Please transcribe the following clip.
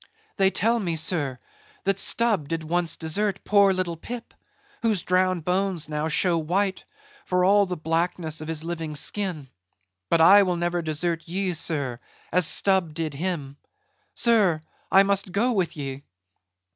"They tell me, sir, that Stubb did once desert poor little Pip, whose drowned bones now show white, for all the blackness of his living skin. But I will never desert ye, sir, as Stubb did him. Sir, I must go with ye."